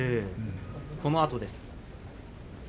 このあとです。